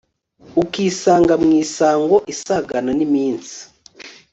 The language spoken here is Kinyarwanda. ukisanga mu isango isagana n'iminsi